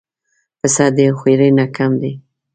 پسه د هوښیارۍ نه کم دی.